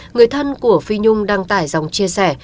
người thân của phi nhung đăng tải dòng chia sẻ